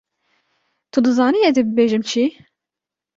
Tu dizanî ez ê bibêjim çi!